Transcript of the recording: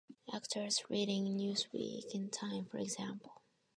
Actors reading "Newsweek" and "Time", for example.